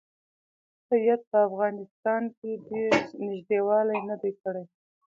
سید په افغانستان کې ډېر نیژدې والی نه دی کړی.